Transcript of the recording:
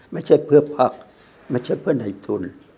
ไม่ใช่เพื่อพักไม่ใช่เพื่อในทุน